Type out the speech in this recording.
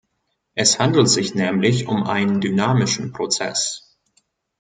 Es handelt sich nämlich um einen dynamischen Prozess.